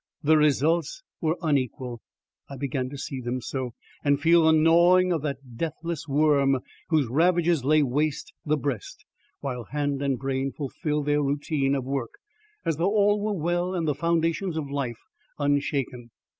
The results were unequal. I began to see them so, and feel the gnawing of that deathless worm whose ravages lay waste the breast, while hand and brain fulfil their routine of work, as though all were well and the foundations of life unshaken.